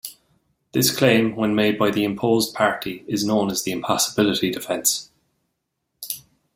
This claim when made by the imposed party is known as the impossibility defense.